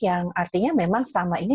yang artinya memang selama ini